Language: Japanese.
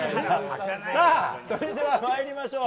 それでは参りましょう。